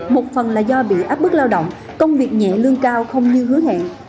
một phần là do bị áp bức lao động công việc nhẹ lương cao không như hứa hẹn